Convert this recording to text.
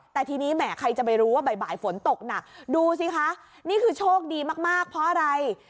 แต่ทีนี้แหมใครจะไปรู้ว่าบ่ายฝนตกหนักดูสิคะนี่คือโชคดีมากเพราะอะไร